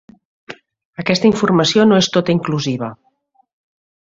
Aquesta informació no és tota inclusiva.